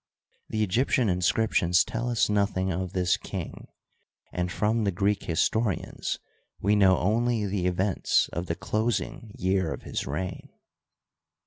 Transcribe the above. The Egyp tian inscriptions tell us nothing of this king, and from the Greek historians we know only the events of the closing year of his reign.